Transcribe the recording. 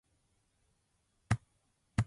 ああ、なんて素晴らしい響きなんだろう。